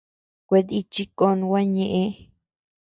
Kuetíchi kon gua ñeʼë.